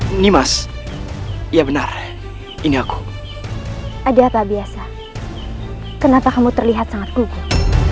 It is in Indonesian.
ini mas ya benar ini aku ada apa biasa kenapa kamu terlihat sangat guguh